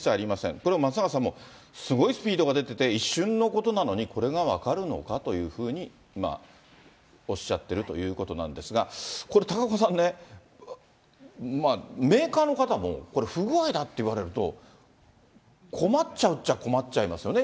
これは松永さんも、すごいスピードが出てて、一瞬のことなのに、これが分かるのかというふうにおっしゃってるということなんですが、これ、高岡さんね、メーカーの方もこれ、不具合だって言われると、困っちゃうっちゃ困っちゃいますよね。